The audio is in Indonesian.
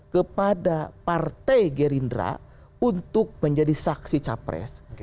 kepada partai gerindra untuk menjadi saksi capres